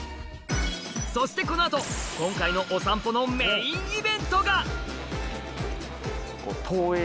そしてこの後今回のお散歩のメインイベントが！